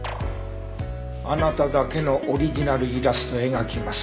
「あなただけのオリジナルイラスト描きます」